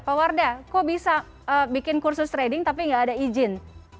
pak wardah kok bisa bikin kursus trading tapi nggak ada izin